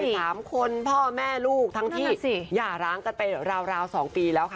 ใช่สามคนพ่อแม่ลูกทั้งที่นั่นแหละสิหย่าร้างกันไปราวราวสองปีแล้วค่ะ